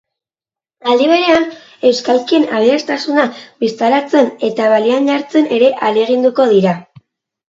Aldi berean, euskalkien aberastasuna bistaratzen eta balioan jartzen ere ahaleginduko dira.